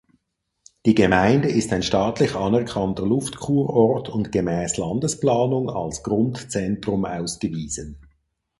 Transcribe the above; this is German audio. Die Gemeinde ist ein staatlich anerkannter Luftkurort und gemäß Landesplanung als Grundzentrum ausgewiesen.